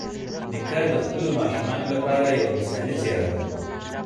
نیکه د خپلو ماشومانو لپاره یوه مثالي څېره ده.